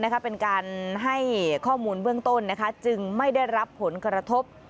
เป็นการให้ข้อมูลเบื้องต้นจึงไม่ได้รับผลกระทบ